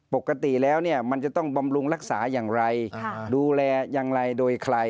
ปกติแล้วเนี่ยมันจะต้องบำรุงรักษาอย่างไรดูแลอย่างไรโดยใคร